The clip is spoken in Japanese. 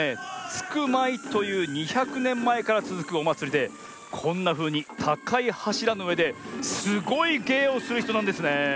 「つくまい」という２００ねんまえからつづくおまつりでこんなふうにたかいはしらのうえですごいげいをするひとなんですねえ。